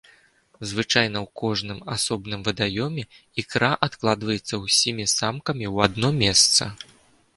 Звычайна ў кожным асобным вадаёме ікра адкладваецца ўсімі самкамі ў адно месца.